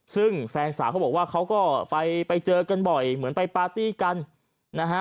ซึ่งแฟนสาวเขาบอกว่าเขาก็ไปเจอกันบ่อยเหมือนไปปาร์ตี้กันนะฮะ